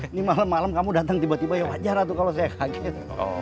ini malam malam kamu datang tiba tiba ya wajar tuh kalau saya kaget